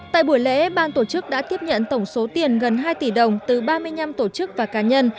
tại buổi lễ ban tổ chức đã tiếp nhận tổng số tiền gần hai tỷ đồng từ ba mươi năm tổ chức và cá nhân